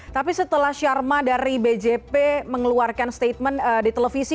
tapi setelah sharma dari bjp mengeluarkan statement di televisi